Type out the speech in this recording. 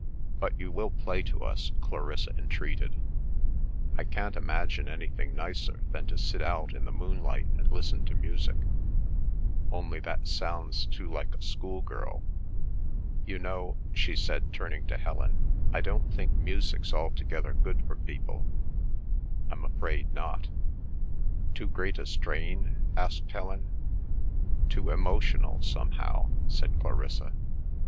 "But you will play to us?" Clarissa entreated. "I can't imagine anything nicer than to sit out in the moonlight and listen to music—only that sounds too like a schoolgirl! You know," she said, turning to Helen, "I don't think music's altogether good for people—I'm afraid not." "Too great a strain?" asked Helen. "Too emotional, somehow," said Clarissa.